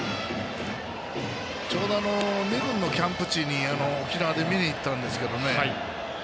ちょうど、２軍のキャンプ地に沖縄に見に行ったんですけどね